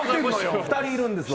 ２人いるんですわ。